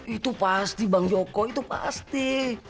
itu pasti bang joko itu pasti